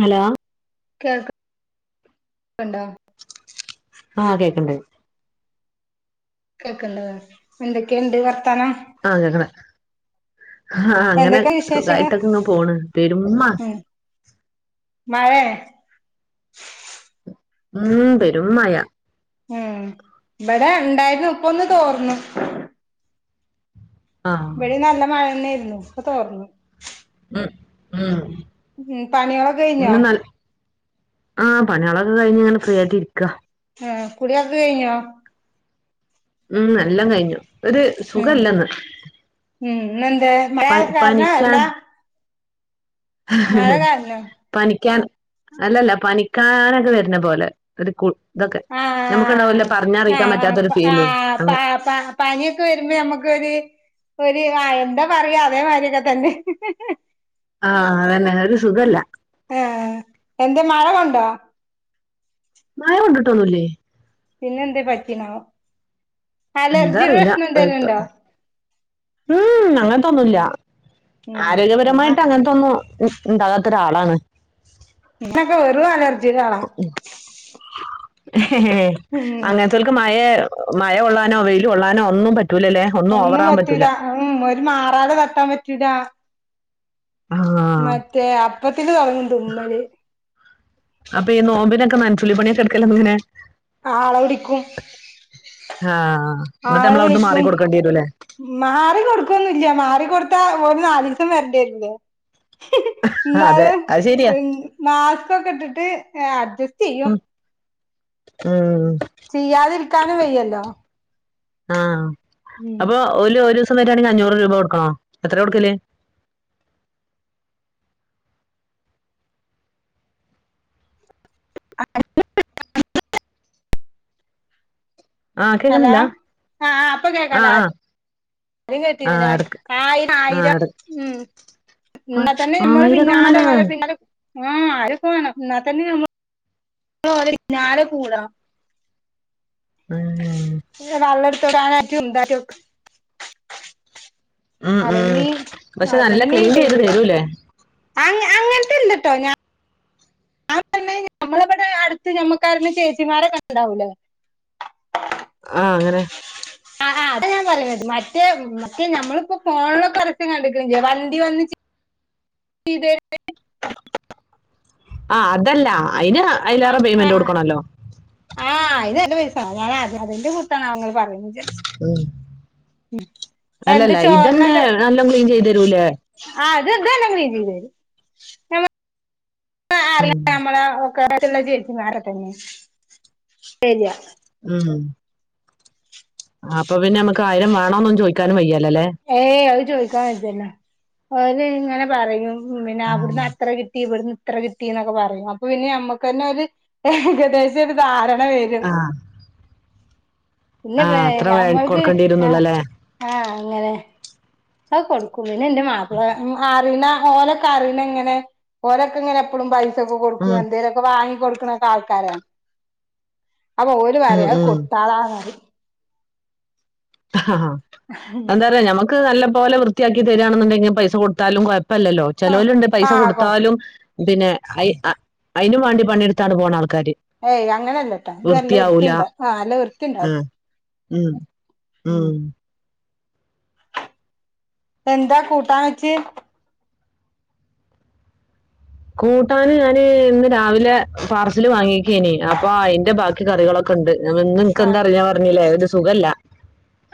Hello കേൾക് [inaudible] ണ്ടോ ആഹ് കേക്ക്ണ്ട് കേക്ക്ണ്ട് എന്തെക്കെണ്ട് വർത്താനം [unintelligible] ആഹ് അങ്ങനെ എന്തൊക്കെ വിശേഷങ്ങൾ സുഖായിട്ടൊക്കെ ഇങ്ങ് പോണ് പെരുമ്മ മഴെ ഉം പെരും മയ ഉം ഇബടെ ഇണ്ടായിരുന്നു ഇപ്പൊന്ന് തോർന്നു അഹ് ഇവ്ടി നല്ലെ മഴെന്നെയിരുന്നു ഇപ്പൊ തോർന്നു ഉം ഉം ഉം പണിയളൊക്കെ കഴിഞ്ഞോ ആ പണികളൊക്കെ കഴിഞ്ഞ്ങ്ങനെ ഫ്രീആയിട്ട് ഇരിക്കാ ഏഹ് കുളിയൊക്കെ കഴിഞ്ഞോ? ഉം നല്ലം കഴിഞ്ഞു ഒരു ഉം സുഖല്ലന്ന് ഉം ഇന്നെന്തേ മഴ പന് കാരണം അല്ല പനിക്കാൻ മഴ കാരണം പനിക്കാൻ അല്ലല്ലാ പനിക്കാനൊക്കെ വര്ന്ന പോലെ ഒര് കു ഇതൊക്കെ നമുക്ക്ണ്ടാവല്ലോ ആഹ് പറഞ്ഞറിയിക്കാൻ പറ്റാത്തൊരു ആഹ് ഫീലേ ആഹ് പ അങ്ങെ പ പനിയൊക്കെ വര്മ്പോ നമ്മ്ക്കൊര് ഒര് എന്താ പറയ അതേമാരിയൊക്കെ തന്നെ ആഹ് അതന്നെ ഒരുസുഖല്ലാ ഏഹ് എന്തേ മഴ കൊണ്ടോ മഴ കൊണ്ടുട്ടൊന്നുല്യേ പിന്നെ എന്ത് പറ്റീനോ അലർജിയുടെ പ്രശ്നം എന്തേലും ഉണ്ടോ ഉം ഉം അങ്ങനത്തൊന്നുല്ല ഉം ഞാ ആരോഗ്യപരമായിട്ട് അങ്ങനത്തൊന്നു ഉണ്ടാകാത്തൊരാളാണ് ഇൻക്കൊക്കെ വെറും അലർജിയുടെ ആളാ ഉം ഹെഹെഹെ ഉം അങ്ങനെത്തോൽ ക്ക് മഴ മഴ കൊള്ളാനോ വെയില് കൊള്ളാനോ ഒന്നും പറ്റൂലല്ലേ ഒന്നും പറ്റൂല ഉം ഉം ഒരു മാറാല തട്ടാൻ പറ്റൂല ആ മറ്റേ അപ്പത്തിന് തുടങ്ങും തുമ്മല് അപ്പ ഈ നോമ്പിനൊക്കെ നനച്ചുളി പണിക്കെടുക്കലെങ്ങനെ ആളെ വിളിക്കും ആഹ് ന്നട്ട് നമ്മള് അവിടുന്ന് മാറി കൊടുക്കേണ്ടി വരു അല്ലേ മാറികൊടുക്കൊന്നുല്ല മാറികൊടുത്താ ഓല് നാലീസം വരണ്ടിവരില്ലേ ആ അതെ എന്നാലും അത് ശരിയാ ഉം മാസ്ക്കൊക്കെ ഇട്ടിട്ട് ഏഹ് അഡ്ജസ്റ്റ് ചെയ്യും ഉം ആഹ് ചെയ്യാതിരിക്കാനും വയ്യല്ലോ ആഹ് ഉം അപ്പൊ ഓല് ഒരൂസം വരിയാണെങ്കിൽ അഞ്ഞൂറ് രൂപ കൊടുക്കണോ എത്ര കൊടുക്കല് അ [inaudible] ആ ഹലോ കേക്കണില്ല ആഹ് ആഹ് അപ്പ ആ കേക്കാല ആ ആദ്യം ആ കേട്ടീന്നില്ല എടുക്ക ആയിരം ആ ആയിരം എടുക്ക ഉം ഇന്നാ തന്നെ നമ്മള് ആയിരൊക്കെ പിന്നാലെ വേണല്ലേ ഓലെ പിന്നാലെ ആഹ് ആയിരക്കെ വേണം എന്നാൽ തന്നെ നമ്മ നമ്മള് ഓലെ പിന്നാലെ കൂടാ അതന്നെ വള്ളട്ത്തരാനായിട്ടും ഇണ്ടാക്കി നോക്ക ഉം ഉം അല്ലെങ്കി പക്ഷെ നല്ല ക്ലീൻ ചെയ്ത് തരൂലേ അ അങ്ങനത്തെ ഇല്ലട്ടോ ഞാ ആഹ് പറഞ്ഞെ നമ്മളെ ബടെ അടുത്ത് ഞമ്മക്കാരേലും ചേച്ചിമാരൊക്കെ ഇണ്ടാവൂലേ ആഹ് അങ്ങനെ ആഹ് ആഹ് അതാ ഞാൻ പറഞ്ഞത് മറ്റേ മറ്റേ ഞമ്മളിപ്പോ ഫോണിലൊക്കെ പരസ്യം കണ്ട്ക്ക്ണ്ല്ലേ വണ്ടി വന്ന് ചെയ്യും ഇതേ ആഹ് അതല്ല അയ്ന് ആഹ് അയിലേറെ പേയ്മെന്റ് ആഹ് കൊടുക്കണല്ലോ ആഹ് അതിന് നല്ല പൈസ വാണം ഞാനാ അ അതിന്റെ കുറിച്ചാണോ നിങ്ങൾ പറയുന്നെ വിചാരിച്ച് ഉം ഉം എന്ത് അല്ലല്ല ഇതന്നെ ചോർന്നത് നല്ല ക്ലീൻ ചെയ്ത് തരൂലേ ആഹ് ഇത് ത് നം ഇതിത് ആഹ് ആഹ് അറിയ ഉം. നമ്മള ഒക്കെടുത്തുള്ള ചേച്ചിമാരത്തന്നെ ശരിയാ ഉം ആഹ് അപ്പ പിന്നെ നമുക്ക് ആയിരം വേണന്നൊന്നും ചോദിക്കാനും വയ്യല്ല അല്ലേ ഏയ് അത് ചോയിക്കാൻ വജ്ജല്ലോ അവര് ഇങ്ങനെ പറയും ഉം പിന്നെ ആ. അവിടുന്ന് അത്ര കിട്ടി ഇവിടുന്ന് ഇത്ര കിട്ടിന്നൊക്കെ പറയും അപ്പൊ പിന്നെ നമ്മുക്ക് തന്നെ ഒരു ഏകദേശം ഒരു ധാര ണ വരും ആ. ആ പിന്നെക്കെ അത്ര വേ- ഞമ്മൾക്ക് കൊടുക്കേണ്ടി ആഹ് വരുന്നുള്ളല്ലേ ആഹ് അങ്ങനെ ആഹ് കൊടുക്കൂ പിന്നെ ഇന്റെ മാപ്പിള അറീന ഓലൊക്കെ അറീണ ഇങ്ങനെ ഓലൊക്കെ ഇങ്ങനെ എപ്പഴും പൈസൊക്കെ കൊടുക്കും ഉം. എന്തേലുമൊക്കെ വാങ്ങി കൊടുക്കണൊക്കെ ആൾക്കാരാ അപ്പൊ ഓല് ഉം. പറയും അത് ഉം. കൊടുത്താളാന്ന് പറയും ആഹ് എന്താറിയൊ ഞമ്മ ക്ക് നല്ലപോലെ വൃത്തിയാക്കി തരിയാണെന്നുണ്ടെങ്കി പൈസ കൊടുത്താലും കുഴപ്പല്ലല്ലോ ആഹ് ചെലോരുണ്ട് പൈസ ആഹ് കൊ കൊടുത്താലും പിന്നെ അയ് അതിനും വേണ്ടി പണിയെടുത്താണ്ട് പോണ ആൾക്കാര് ഏയ് അങ്ങനെല്ലട്ടാ ഇത് നല്ല വൃത്തിയാവൂല വൃത്തിയിണ്ട് ആഹ് നല്ല വൃത്തി ഉണ്ടാവും ഉം. ഉം ഉം എന്താ കൂട്ടാവെച്ച് കൂട്ടാന് ഞാന് ഇന്ന് രാവിലെ പാർസൽ വാങ്ങിക്കെന് അപ്പൊ അയിന്റെ ബാക്കി കറികളൊ ക്കെണ്ട് ഞ നിക്കെന്താ ആഹ് അറിയില്ല പറഞ്ഞല്ലേ ഒരു സുഖല്ല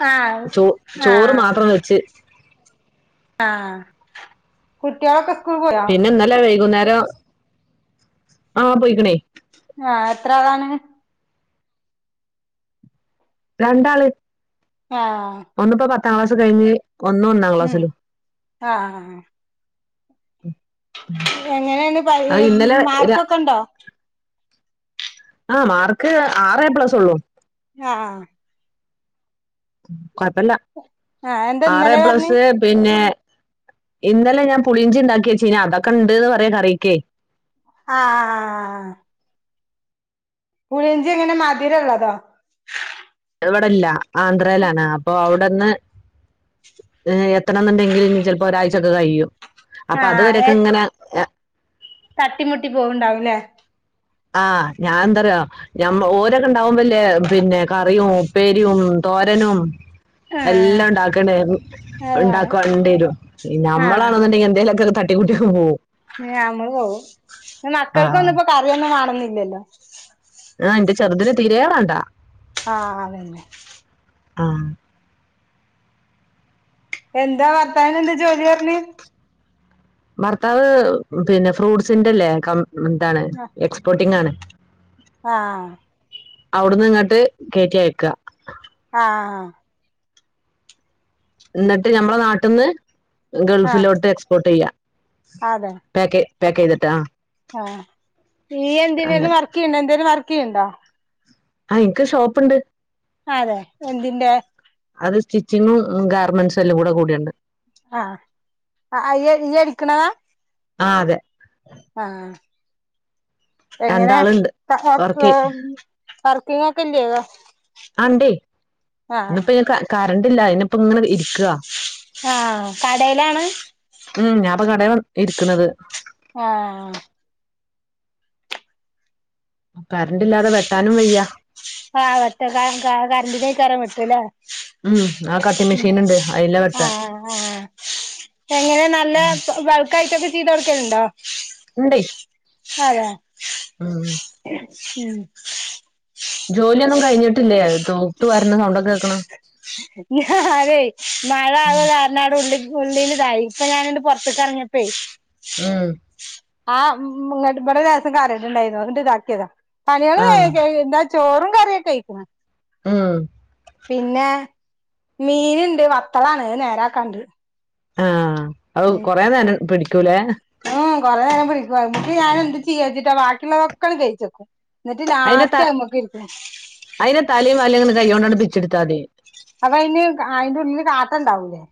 ആഹ് ചോ ചോറ് ആഹ് മാത്രം വെച്ച് ആഹ് കുട്ടികളൊക്കെ സ്കൂൾ പോയോ പിന്നിന്നലെ വൈകുന്നേരം ആഹ് പോയിക്കണേ ആഹ് എത്ര ആളാണ് രണ്ടാള് ആഹ് ഒന്നിപ്പോ പത്താം ക്ലാസ് കഴിഞ്ഞ് ഒന്ന് ഒന്നാം ഉം ക്ലാസ്സിലും ആഹ് ഉം എങ്ങനെയന്ന് പറയ് ര- മാർക്കൊക്കെ ഉണ്ടോ ആഹ് മാർക്ക് ആറേ പ്ലസ് ഉള്ളൂ ആഹ് കുഴപ്പില്ല ആഹ് എന്താ ആറ് ഇന്നലെ എ പറഞ്ഞ് പ്ലസ് പിന്നെ ഇന്നലെ ഞാൻ പുളിഞ്ചി ഉണ്ടാക്കിയച്ചീന അതൊക്കെ ഉണ്ട്ന്ന് പറയാ കറിക്കെ ആഹ് ആഹ് ആഹ് ആഹ് ആഹ് പുളിഞ്ചി എങ്ങനെ മതിരം ഉള്ളതോ ത് ഇവിടെല്ല ആന്ധ്രയിലാണ് അപ്പൊ അവിടുന്ന് ഏഹ് എത്തണന്നുണ്ടെങ്കിൽ ഇനി ചിലപ്പോ ഒരാഴ്ചൊക്കെ കഴിയും അപ്പൊ ആഹ് അതുവരെയൊക്കെ ഇങ്ങനെ തട്ടിമുട്ടി പോകണ്ടാവുംല്ലേ ആഹ് ഞാനെന്താറിയൊ ഞമ്മ ഓരൊക്കെ ഉണ്ടാവുമ്പല്ലേ പിന്നെ കറിയും ഉപ്പേരിയും തോരനും ആഹ് എല്ലാം ഉണ്ടാക്കണയിരുന്നു അത് വേണം ഉണ്ടാക്കാണ്ടിരും ആഹ് നമ്മളാണെന്നുണ്ടെങ്കിൽ എന്തെങ്കിലുമൊക്കെ തട്ടിക്കുട്ടി പോകും നമ്മള് പോവും ആ മക്കൾക്കൊന്നും ഇപ്പോ കറിയൊന്നും വേണന്നില്ലല്ലോ ആഹ് എന്റെ ചെറുതിന് തീരേ വേണ്ടാ ആഹ് അതന്നെ ആഹ് എന്താ ഭർത്താവിനെ എന്താ ജോലി പറഞ്ഞെ ഭർത്താവ് പിന്നെ ഫ്രൂട്ട്സിന്റെല്ലേ കം എന്താണ് എക്സ്പോർട്ടിംങ് ആണ് ആഹ് അവിടുന്ന് ഇങ്ങോട്ട് കയറ്റി അയക്ക ആഹ് എന്നിട്ട് ഞമ്മടെ നാട്ടിന്ന് ആഹ് ഗൾഫിലോട്ട് എക്സ്പോർട്ട് ചെയ്യാ അതെ പാക്കേ പാക്ക് ചെയ്തിട്ടാ അങ്ങനെ ക്കെന്നെ എന്തേലും വർക്കെയിണ്ട ആഹ് എനിക്ക് ഷോപ്പ്ണ്ട് അതെ എന്തിന്റെ അത് സ്റ്റിച്ചിങ്ങും ഗാർമെന്റ്സും എല്ലാം കൂടെ കൂടിയുണ്ട് ആഹ് അ ഇയ്യ് അടിക്കണതാ ആഹ് അതെ ആഹ് എങ്ങനെ രണ്ടാളുണ്ട് ആഹ് ക് വർക്ക് വർക്കിങ്ങക്കെ ഇല്ലെ ആ ണ്ടേ ഇന്നിപ്പോ ഇ ക കറണ്ടില്ല ഇന്ന് ഇപ്പൊ ഇങ്ങനെ ഇരിക്കാ ആഹ് കടയിലാണ് ഉം ഞാപ്പാ കടേലാ ഇരിക്കുന്നത് ആഹ് കരണ്ടില്ലാതെ വെട്ടാനും വയ്യ ആഹ് കഷ്ടകാലം [unintelligible] വെട്ടും ല്ലേ ഉം ആ കട്ടിംഗ് ഉം മെഷീൻ ഉണ്ട് അതില വെട്ടാ ആഹ് ആഹ് എങ്ങനെ നല്ല ബൾക്കായിട്ടൊക്കെ ചെയ്തു കൊടുക്കലുണ്ടോ ഇണ്ടേ ആരാ ഉം [inaudible] ജോലിയൊന്നും കഴിഞ്ഞിട്ടില്ലേ തൂത്ത് വാരുന്ന സൗണ്ടൊക്കെ കേക്കണ് ഞാനേ മഴ [unintelligible] കാര [unintelligible] ഉള്ളിക്ക് ഉള്ളിലിതായി ഇപ്പ ഞാനങ്ങട്ട് പുറത്തേക്കെറങ്ങിയപ്പഴേ ഉം ആഹ് ഇങ്ങട്ട് ഇവ്ടെ ലേശം [unintelligible] അന്നിട്ട് ഇതാക്കിയതാ പണികള് ആഹ് വേഗം കഴിയും എന്താ ചോറും കറിയൊക്ക ആയിക്ക്‌ ണ് ആഹ് പിന്നെ മീൻണ്ട് വത്തളാണ് അത് നേരാക്കാണ്ട് ആഹ് അത് ഉം കൊറേ നേരം പിടിക്കൂലേ ഉം കൊറെ നേരം പിടിക്കും അന്നിട്ട് ഞാൻ എന്ത് ചെയ്യാച്ചിട്ടാ ബാക്കിയുള്ളതൊക്കങ്ങ് വെയിച്ചു വെക്കും എന്നിട്ട് അതിന്റെ ത ലാസ്റ്റ് അതിന്റെ തലയും വാലും ഇങ്ങനെ കൈ കൊണ്ടാണ്ട് പിച്ചെടുത്താ മതി [unintelligible] അപ്പൊ അതിന് അയിന്റെ ഉള്ളില് കാട്ടണ്ടാവൂല്ലേ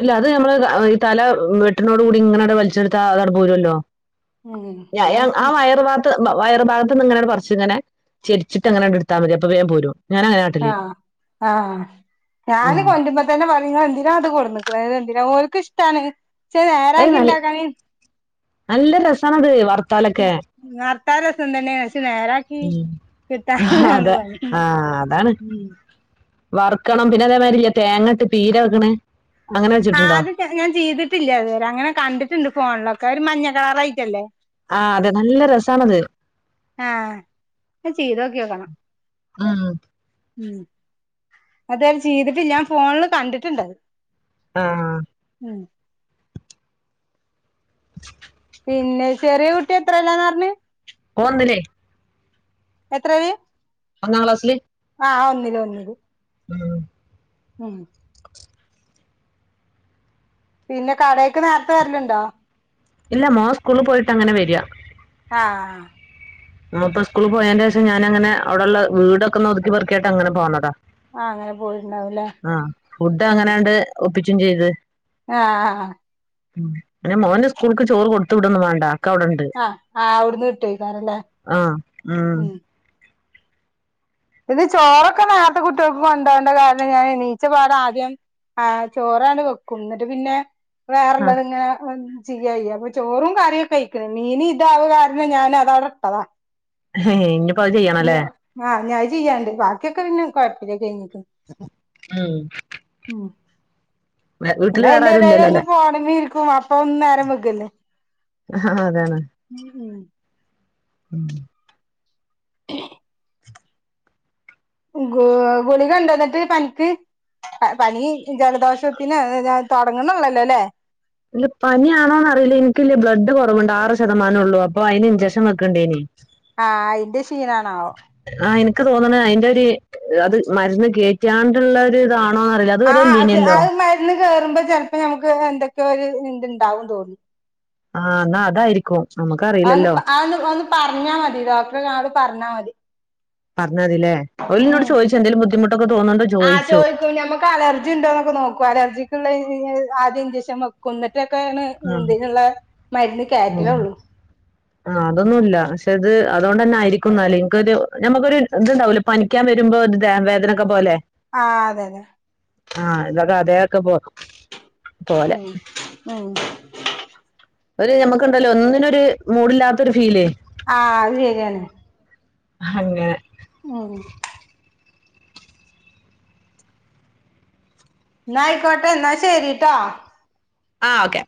ഇല്ല അത് നമ്മള് ഈ തല വെട്ടനോട് കൂടി ഇങ്ങനടു വലിച്ചെടുത്താ അതാട് പോരുവല്ലോ ഉം ഞ ഞാൻ ആ വയറു ഭാഗ ത്ത് വയർ ഭാഗത്ത് നിന്ന് ഇങ്ങനെങ്ങട് പറിച്ച് ഇങ്ങനെ ചരിച്ചിട്ടങ്ങനങ്ങട് എടുത്താ മതി അപ്പ വേഗം പോരും ഞാൻ അങ്ങനെ കാട്ടല് ആഹ് ആഹ് ഞാന് കൊണ്ട്രുമ്പോ പറയും ഇങ്ങളെന്തിനാ അത് കൊടുന്നിക്കണേ എന്തിനാ ഓല്ക്ക് ഇഷ്ടാണ് പക്ഷെ അത് നേരാക്കി നല്ല ഇണ്ടാക്കാന് നല്ല രസാണത് വറു ന്നെ വറുത്താ രസ ണ്ടല്ലേ പക്ഷെ നേരാ ഉം ആഹ് അതെ ആഹ് അതാണ് ഉം വറക്കണം പിന്നെ അതേമാരില്ലെ തേങ്ങട്ട് പീര വെക്കണ് അങ്ങനെ വെച്ചിട്ടുണ്ടോ പക്ഷെ ഞാൻ ചെയ്തിട്ടില്ല അതുവരെ അങ്ങനെ കണ്ടിട്ടുണ്ട് ഫോണിലൊക്കെ ഒര് മഞ്ഞ കളറായിട്ടല്ലേ ആഹ് അതെ നല്ല രസാണത് ആഹ് അത് ചെയ്തോക്കി നോക്കണം ഉം ഉം അതത് ചെയ്തിട്ടില്ല ഫോണില് കണ്ടിട്ടുണ്ടത് ആഹ് ആഹ് ഉം പിന്നെ ചെറിയ കുട്ടി എത്രയിലാന്നാ പറഞ്ഞ് ഓവന്നില്ലേ എത്രയില് ഒന്നാ ക്ലാസില് ആഹ് ഒന്നില് ഒന്നില് ഉം ഉം പിന്നെ കടെക്ക് നേരത്തെ വരലുണ്ടോ ഇല്ല മോൻ സ്കൂളി പോയിട്ട് അങ്ങനെ വര ആഹ് മൊപ്പം സ്കൂള് പോയെനെഷം ഞാനങ്ങനെ അവിടെള്ള വീടൊക്കെ ഒതുക്കി പെറുക്കി അങ്ങനെ പോന്നതാ ആഹ് അങ്ങനെ പോയിട്ടുണ്ടാവുംല്ലേ ആഹ് ഫുഡ് ഉം അങ്ങനെയണ്ട് ഒപ്പിച്ചു ചെയ്ത് ആഹ് ഉം അനെ മോന്റെ സ്കൂൾക്ക് ചോറ് കൊടുതുവിടുന്നു വേണ്ട ആക്കെ ഇവിടെണ്ട് ആഹ് ആ അവിടുന്ന് കിട്ടോയ്‌ക്കാരല്ലേ ആഹ് ഉം ഇത് ചോറൊക്കെ നോരത്തെ കുട്ട്യേക്ക് കോണ്ടാവേണ്ട കാരണം ഞാൻ നീച്ച പാട് ആദ്യം ആഹ് ചോറാണ്ട്. വെക്കും എന്നിട്ട് പിന്നെ ആഹ് വേറെള്ളത് ഇങ്ങനെ ചെയ്യയ്യ അപ്പൊ ചോറും കറിക്കെയ്ക്കുന് മീന് ഇതാവാരണം ഞാൻ അതവിടട്ടതാ ഹ് ഇനിയിപ്പോ അത് ചെയ്യണല്ലേ ആഹ് ഞ ചെയ്യാണ്ട് ബാക്കിയൊക്കെ പിന്നെ കുയപ്പില്ല കഴിഞ്ഞിക്ക്‌ ഉം ഉം വീട്ടില് എന്നാ വേറെ ആരും അയ്‌ന്റെടേലൊന്നു ഇല്ലല്ലോല്ലേ പോണം ഇരിക്കും അപ്പം നേരം വേകല്ലേ ആഹ് അതാണ് ഉം ഉം ഉം [inaudible] ഗെ ഗുളിക ണ്ട ന്നിട്ട് പനിക്ക് പനി ജലദോഷത്തിന് ഞാൻ തുടങ്ങണള്ളല്ലോ ല്ലേ ല്ല പനിയാണോന്നറില്ല എൻക്ക്ല് ബ്ലഡ്കുറവുണ്ട് ആറ് ശതമാനള്ളൂ അപ്പൊ അയിന് ഇഞ്ചെക്ഷൻ വെക്കണ്ടേനി ആഹ് അയിന്റെ ക്ഷീണാണോ ആഹ് എനിക്ക് തോന്നണ അയിന്റെരു അത് മരുന്ന് കേറ്റാ ള്ള ഇതാണോന്ന് അറിയില്ല അതെരെ ഇല്ലേനല്ലോ ന്ന് കേറുമ്പോ ചിലപ്പോ നമുക്ക് എന്തൊക്കെ ഒരു ഇതു ഉണ്ടാവും തോന്ന്‌ ആഹ് എന്നാ അതായിരിക്കും നമ്മുക്കറിയില്ലല്ലോ അന്ന് വന്ന് പറഞ്ഞാ മതി ഡോക്ടറെട് പറഞ്ഞാ മതി പറഞ്ഞാതില്ലേ ഓല്നോട് ഉം ചോയിച്ചു എന്തെലും ബുദ്ധിമുട്ടൊക്ക തോന്നുണ്ടോ ചോയിച്ചു ക്കെ അലർജിണ്ടോന്നൊക്കെ നോക്കു അലർജിക്ക്ള്ള ആദ്യ ഇഞ്ചെക്ഷൻ വെക്കു എന്നി ക്കെയാണ് ആഹ് എന്തിനുള്ള മരുന്ന് ഉം കെറ്റലുള്ളു ആഹ് അതൊന്നുല്ല ക്ഷെ അത് അതുകൊണ്ടന്നെയിരിക്കും എന്നാല് ഇൻക്കൊരു നമുക്കൊരു ഇതുണ്ടാവല പനിക്കാ വരുമ്പോ ഇതെ വേദനൊക്കെ പോലെ ആഹ് അതെ അതെ ആഹ് ഇതൊക്കെ അതേൊക്കെ പോലെ ഉം ഉം ഒരു നമുക്ക്ണ്ടല്ലോ ഒന്നിനോരു മൂഡില്ലാതൊരു ഫീല്. ആഹ് അത് ശരിയാണ്. അങ്ങനെ. ഉം. ഇന്നായിക്കോട്ടെ ഇന്നാശരിട്ടോ. ആ ഓക്കെ